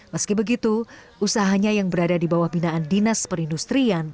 meski begitu usahanya yang berada di bawah binaan dinas perindustrian